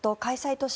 都市